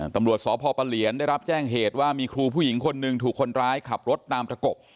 ตำรวจสพปะเหลียนได้รับแจ้งเหตุว่ามีครูผู้หญิงคนหนึ่งถูกคนร้ายขับรถตามประกบ